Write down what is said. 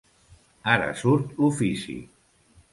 Ara surt l'ofici!